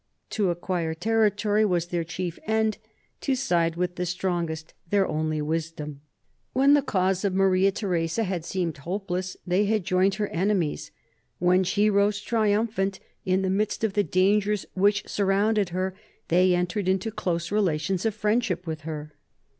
I To acquire territory was their chief end ; to side ^with the strongest, their only wisdom. When the cause of Maria Theresa had seemed hopeless, they had joined her enemies; when she rose triumphant in the midst of the dangers which surrounded her, they entered into close relations of friendship with her.